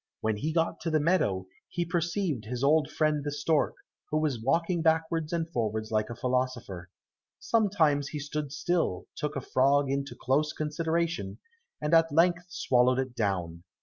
When he got to the meadow, he perceived his old friend the stork, who was walking backwards and forwards like a philosopher. Sometimes he stood still, took a frog into close consideration, and at length swallowed it down.